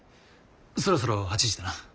そろそろ８時だな。